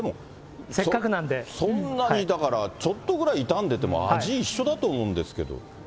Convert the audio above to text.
そんなにだから、ちょっとぐらい傷んでても味、一緒だと思うんですけど。